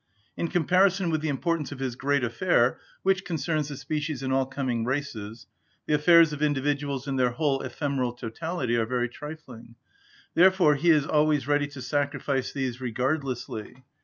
In comparison with the importance of his great affair, which concerns the species and all coming races, the affairs of individuals in their whole ephemeral totality are very trifling; therefore he is always ready to sacrifice these regardlessly.